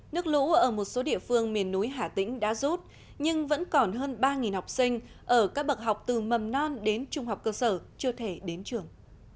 nước lũ ở một số địa phương miền núi hà tĩnh đã rút nhưng vẫn còn hơn ba học sinh ở các bậc học từ mầm non đến trung học cơ sở chưa thể đến trường